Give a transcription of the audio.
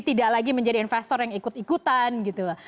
tidak lagi menjadi investor yang ikut ikutan gitu loh